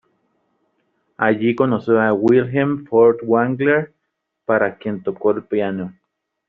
Allí conoció a Wilhelm Furtwängler, para quien tocó el piano.